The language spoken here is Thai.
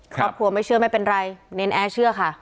ครอบครัวไม่เชื่อไม่เป็นไรเนรนแอร์เชื่อค่ะ